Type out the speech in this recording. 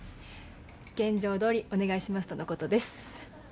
「現状通りお願いします」とのことです。